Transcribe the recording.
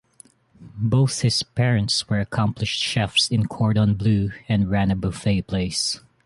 Both his parents were accomplished chefs in cordon bleu and ran a buffet place.